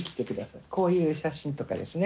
こういう写真とかですね。